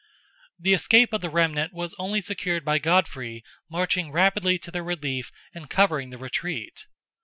The escape of the remnant was only secured by Godfrey marching rapidly to their relief and covering the retreat.